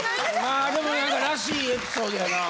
まあでも何からしいエピソードやな。